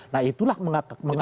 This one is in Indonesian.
nah itulah mengapa